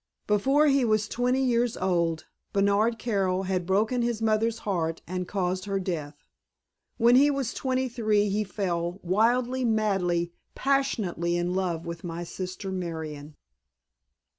Before he was twenty years old Bernard Carroll had broken his mother's heart and caused her death. When he was twenty three he fell wildly, madly, passionately in love with my sister Marion."